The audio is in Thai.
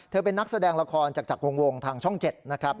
เป็นนักแสดงละครจากวงทางช่อง๗นะครับ